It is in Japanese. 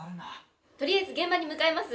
とりあえず現場に向かいます。